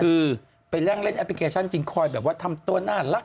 คือไปนั่งเล่นแอปพลิเคชันจริงคอยแบบว่าทำตัวน่ารัก